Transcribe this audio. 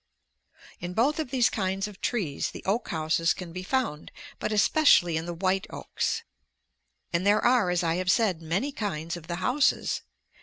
In both of these kinds of trees the oak houses can be found, but especially in the white oaks. And there are, as I have said, many kinds of the houses.